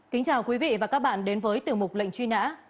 kính chào quý vị và các bạn đến với tiểu mục lệnh truy nã